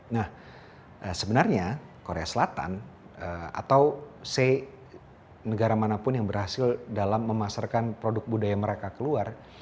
nah sebenarnya korea selatan atau say negara manapun yang berhasil dalam memasarkan produk budaya mereka keluar